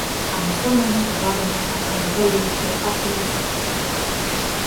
Ама со мене завладеа некаква мрзеливост и апатија.